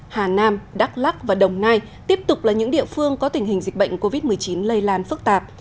hà nam đắk lắc và đồng nai tiếp tục là những địa phương có tình hình dịch bệnh covid một mươi chín lây lan phức tạp